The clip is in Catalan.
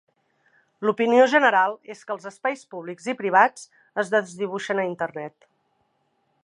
La opinió general és que els espais públics i privats es desdibuixen a Internet.